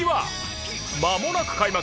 まもなく開幕！